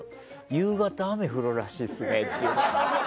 夕方、雨降るらしいっすねって。